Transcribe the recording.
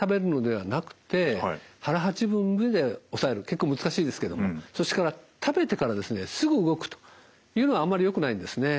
結構難しいですけどもそして食べてからですねすぐ動くというのはあんまりよくないんですね。